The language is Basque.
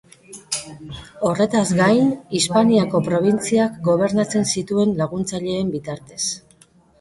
Horretaz gain, Hispaniako probintziak gobernatzen zituen laguntzaileen bitartez.